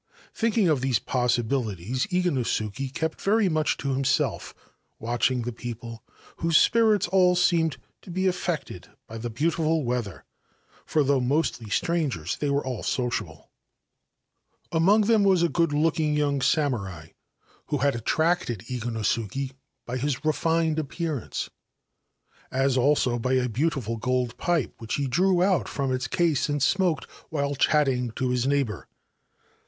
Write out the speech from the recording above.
Thinking of these possibilities, Iganosuke kept very much to himself, watching the people, whose spirits all seemed to be affected by the beautiful weather, for, though mostly strangers, they were all sociable. 145 19 Ancient Tales and Folklore of Japar Among them was a good looking young samurai \ had attracted Iganosuke by his refined appearance, as < by a beautiful gold pipe which he drew out from its c and smoked while chatting to his neighbour.